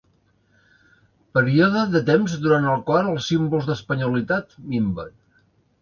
Període de temps durant el qual els símbols d'espanyolitat minven.